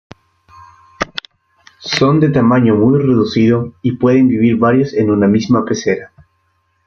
Son de tamaño muy reducido y pueden vivir varios en una misma pecera.